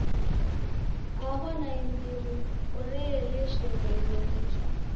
Aho naimbiri oreeleshereghe nicha.